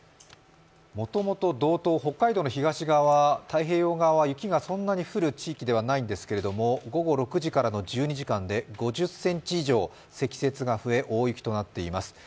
もともと道東、北海道の東側、太平洋側は雪がそんなに降る地域ではないんですけれども午後６時からの１２時間で５０ｃｍ以上積雪が続き大雪となっています。